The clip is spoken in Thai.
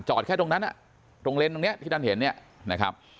จอดแค่ตรงนั้นตรงเลนที่ท่านเห็นนะครับ